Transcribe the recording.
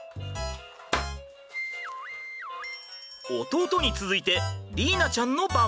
弟に続いて莉依菜ちゃんの番。